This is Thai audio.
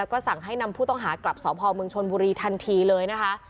ก็สั่งให้นำผู้ต้องหากลับสพเมืองชนบุรีทันทีเลยนะคะ